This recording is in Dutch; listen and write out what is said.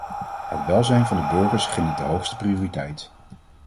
Het welzijn van de burgers geniet de hoogste prioriteit.